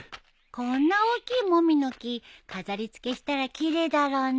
こんな大きいモミの木飾り付けしたら奇麗だろうね。